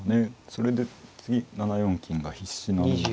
それで次７四金が必至なんで。